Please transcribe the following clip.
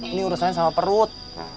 ini urusannya sama perut